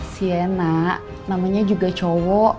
siena namanya juga cowok